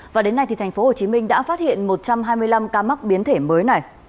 và đến nay tp hcm đã phát hiện một trăm hai mươi năm ca mắc biến thể mới này